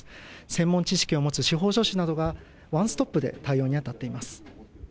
専門知識を持つ司法書士などがワンストップで対応にあたっています。